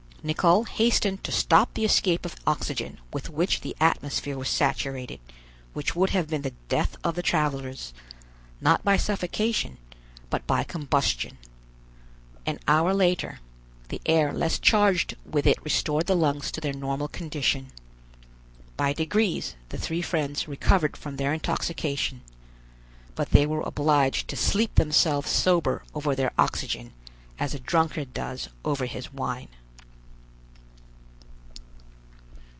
Nicholl hastened to stop the escape of oxygen with which the atmosphere was saturated, which would have been the death of the travelers, not by suffocation, but by combustion. An hour later, the air less charged with it restored the lungs to their normal condition. By degrees the three friends recovered from their intoxication; but they were obliged to sleep themselves sober over their oxygen as a drunkard does over his wine.